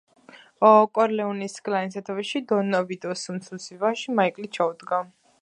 კორლეონეს კლანს სათავეში დონ ვიტოს უმცროსი ვაჟი, მაიკლი ჩაუდგა.